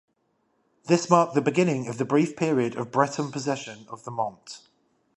This marked the beginning of the brief period of Breton possession of the Mont.